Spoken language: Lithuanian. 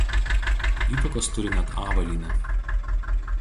Įtakos turi net avalynė.